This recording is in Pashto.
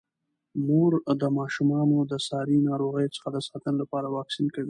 مور د ماشومانو د ساري ناروغیو څخه د ساتنې لپاره واکسین کوي.